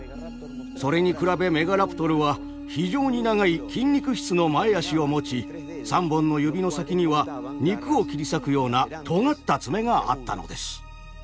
それに比べメガラプトルは非常に長い筋肉質の前あしを持ち３本の指の先には肉を切り裂くようなとがった爪があったのです。